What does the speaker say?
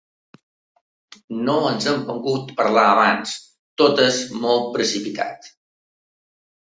No ens hem pogut parlar abans, tot és molt precipitat.